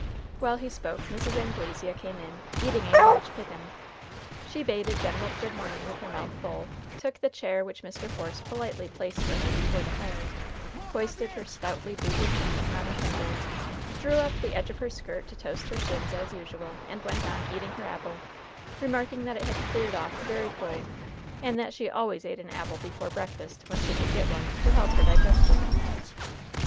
While he spoke Mrs. Anglesea came in, eating a large pippin. She bade a general good morning with her mouth full, took the chair which Mr. Force politely placed for her before the fire, hoisted her stoutly booted feet on the fender, drew up the edge of her skirt to toast her shins as usual, and went on eating her apple, remarking that it had cleared off very cold, and that she always ate an apple before breakfast, when she could get one, to help her digestion.